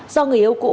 do người yêu cũ